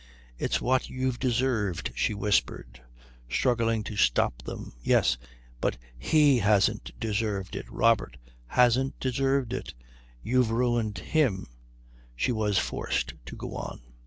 "It's what you've deserved," she whispered, struggling to stop them. "Yes, but he hasn't deserved it. Robert hasn't deserved it you've ruined him " she was forced to go on.